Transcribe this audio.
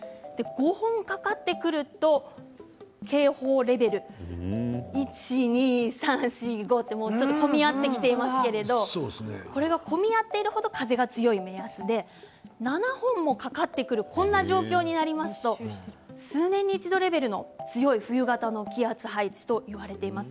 ５本かかってくると警報レベルもうちょっと混み合ってきていますけれどもこれが混み合っている程風が強い目安で７本もかかってくるこんな状況になりますと数年に一度レベルの強い冬型の気圧配置といわれています。